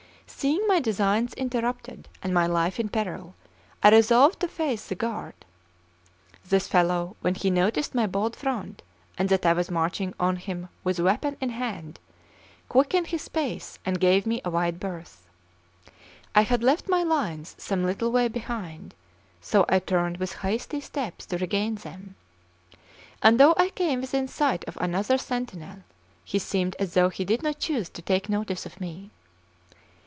Seeing my designs interrupted and my life in peril, I resolved to face the guard. This fellow, when he noticed my bold front, and that I was marching on him with weapon in hand, quickened his pace and gave me a wide berth. I had left my lines some little way behind; so I turned with hasty steps to regain them; and though I came within sight of another sentinel, he seemed as though he did not choose to take notice of me.